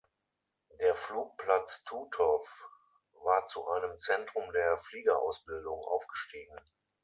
Der Flugplatz Tutow war zu einem Zentrum der Fliegerausbildung aufgestiegen.